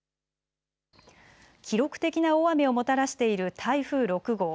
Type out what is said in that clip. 記録的な大雨をもたらしている台風６号。